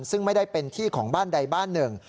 ซึ่งไม่ได้เป็นที่ของบ้านใดบ้านหนึ่ง